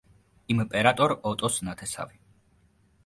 იმპერატორ ოტოს ნათესავი.